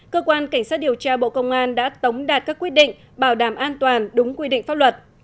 cơ quan cảnh sát điều tra bộ công an đã tống đạt các quyết định bảo đảm an toàn đúng quy định pháp luật